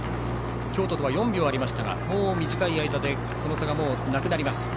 京都とは４秒ありましたがもう短い間でその差がなくなります。